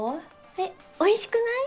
えっおいしくない？